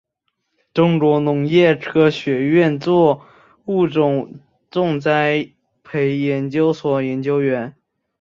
中国农业科学院作物育种栽培研究所研究员。